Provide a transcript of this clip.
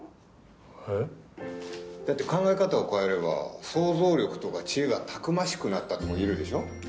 えっ？だって考え方を変えれば想像力とか知恵がたくましくなったとも言えるでしょ。